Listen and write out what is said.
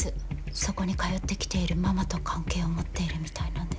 そこに通ってきているママと関係を持っているみたいなんです。